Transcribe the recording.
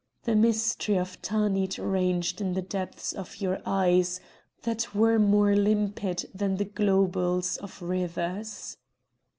The mystery of Tanith ranged in the depths of your eyes that were more limpid than the globules of rivers."